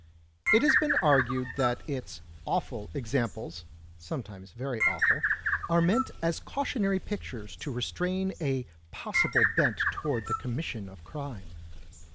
It has been argued that its "awful examples" (sometimes very awful!), are meant as cautionary pictures to restrain a possible bent toward the commission of crime.